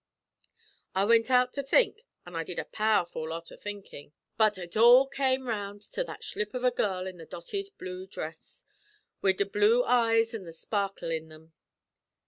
"I wint out to think, an' I did a powerful lot av thinkin', but ut all came round to that shlip av a girl in the dotted blue dhress, wid the blue eyes an' the sparkil in them.